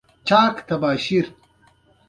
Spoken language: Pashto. ایا ستاسو جنت په نصیب دی؟